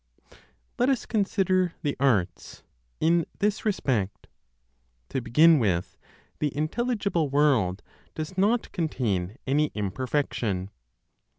Let us consider the arts, in this respect. To begin with, the intelligible world does not contain any imperfection.